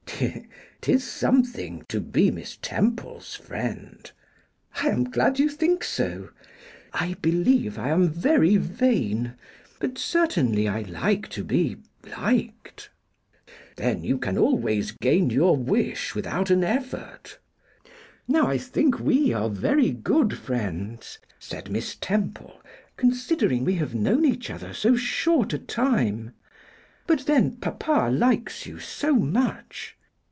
''Tis something to be Miss Temple's friend.' 'I am glad you think so. I believe I am very vain, but certainly I like to be liked.' 'Then you can always gain your wish without an effort.' 'Now I think we are very good friends,' said Miss Temple, 'considering we have known each other so short a time. But then papa likes you so much.